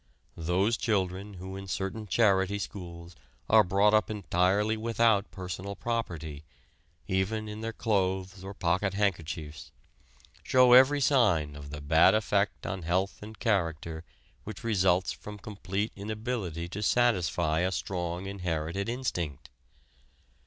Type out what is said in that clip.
Those children who in certain charity schools are brought up entirely without personal property, even in their clothes or pocket handkerchiefs, show every sign of the bad effect on health and character which results from complete inability to satisfy a strong inherited instinct....